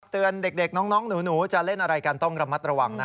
เตือนเด็กน้องหนูจะเล่นอะไรกันต้องระมัดระวังนะ